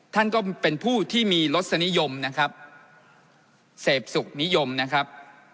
ท่านก็เป็นผู้ที่มีรสนิยมนะครับเสพสุขนิยมนะครับ